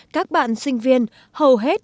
các bạn sinh viên hầu hết